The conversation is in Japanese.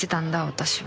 私は